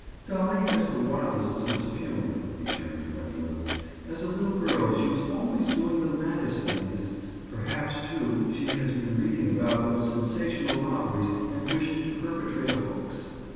"Dolly has the wildest idea of humor," returned Gwendoline. "As a little girl she was always doing the maddest things. Perhaps, too, she has been reading about those sensational robberies and wished to perpetrate a hoax."